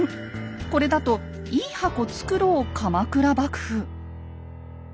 これだと「いい箱つくろう」鎌倉幕府。